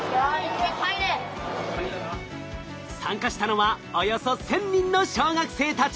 参加したのはおよそ１，０００人の小学生たち！